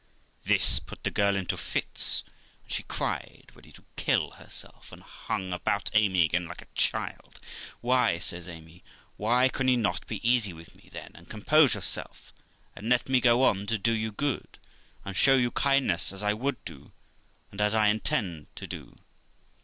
This put the girl into fits, and she cried ready to kill herself, and hung about Amy again like a child. 'Why', says Amy, 'why can you not be easy with me, then, and compose yourself, and let me go on to do you good, and show you kindness, as I would do, and as I intend to do?